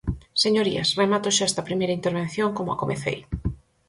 Señorías, remato xa esta primeira intervención como a comecei.